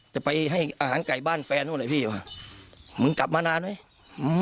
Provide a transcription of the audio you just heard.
จะไปให้อาหารไก่บ้านแฟนหรืออะไรพี่วะมึงกลับมานานไหม